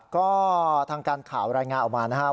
ก็ทางการข่าวรายงานออกมานะครับ